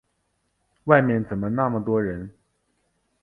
外面怎么那么多人？